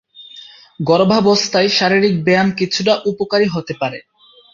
গর্ভাবস্থায় শারীরিক ব্যায়াম কিছুটা উপকারী হতে পারে।